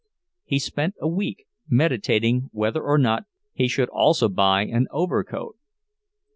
He spent a week meditating whether or not he should also buy an overcoat.